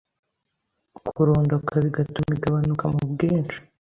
kurondoka bigatuma igabanuka mu bwinshi